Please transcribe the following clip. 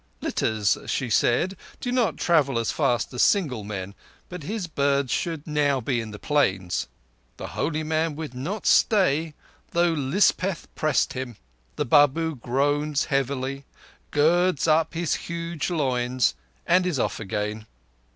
Litters, she says, do not travel as fast as single men, but his birds should now be in the Plains. The holy man would not stay though Lispeth pressed him. The Babu groans heavily, girds up his huge loins, and is off again.